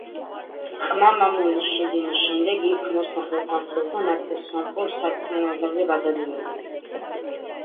ყმა-მამულის შეძენის შემდეგ იქ მოსახლე ქართველთა ნაწილი სომხურ სარწმუნოებაზე გადადიოდა.